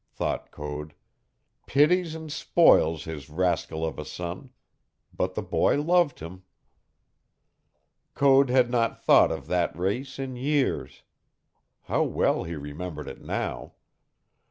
thought Code. "Pities and spoils his rascal of a son. But the boy loved him." Code had not thought of that race in years. How well he remembered it now!